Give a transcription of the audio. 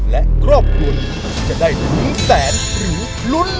และครบคุณจะได้ลุงแสนหรือลุ้นร้อน